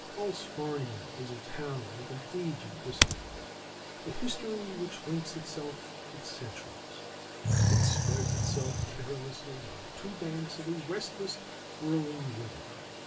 DR. SCHOLAR CRUTCH 141 Allsfarnia is a town with an aged history; a history which links itself with centuries. It spreads itself care lessly on two banks of a restless, whirling river.